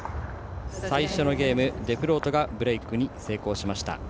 最初のゲーム、デフロートがブレークに成功しました。